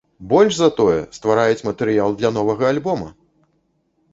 Больш за тое, ствараюць матэрыял для новага альбома!